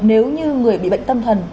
nếu như người bị bệnh tâm thần